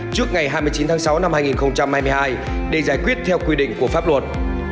trước ngày hai mươi chín tháng sáu năm hai nghìn hai mươi hai để giải quyết theo quy định của pháp luật